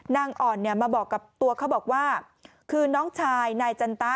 นางอ่อนมาบอกแบบว่าคือน้องชายนายจันตะ